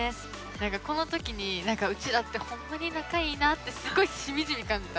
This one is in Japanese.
何かこの時にうちらって本当に仲いいなってすごいしみじみ感じた。